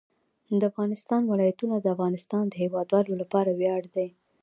د افغانستان ولايتونه د افغانستان د هیوادوالو لپاره ویاړ دی.